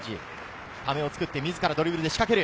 壁を作って自らドリブルで仕掛ける。